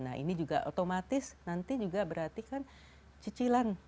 nah ini juga otomatis nanti juga berarti kan cicilan